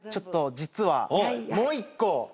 実は。